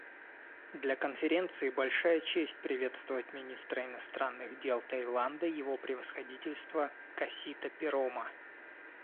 Для Конференции большая честь приветствовать министра иностранных дел Таиланда Его Превосходительство Касита Пирома.